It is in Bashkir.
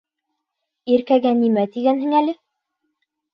Иркәгә нимә тигәнһең әле?